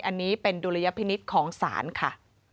อันนี้เป็นดุลยพินิษฐ์ของศาลค่ะ